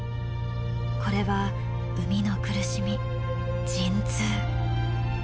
これは産みの苦しみ陣痛。